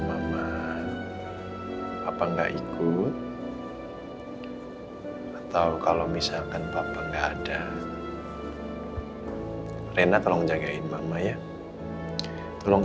mama apa enggak ikut atau kalau misalkan papa nggak ada rena tolong jagain mama ya tolong